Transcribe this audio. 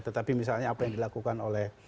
tetapi misalnya apa yang dilakukan oleh